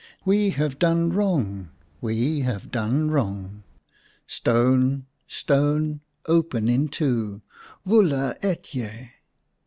We have done wrong, we have done wrong. Stone, Stone, open in two. Vula, Etye.'